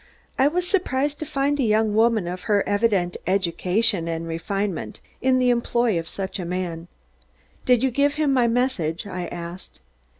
I was surprised to find a young woman of her evident education and refinement in the employ of such a man. "Did you give him my message?" I asked.